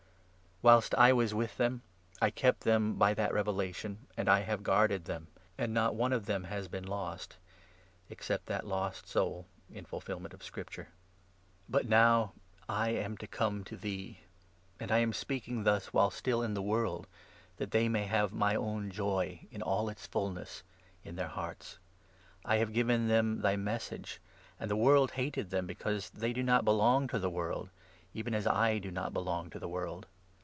Whilst I was with them, I it kept them by that revelation, and I have guarded them ; and not one of them has been lost, except that lost soul — in fulfil ment.of Scripture. But now I am to come 13 200 JOHN, 17—18. to thee ; and I am speaking thus, while still in the world, that they may have my own joy, in all its fulness, in their hearts. I have given them thy Mes 14 sage ; and the world hated them, because they do not belong to the world, even as I do not belong to the world.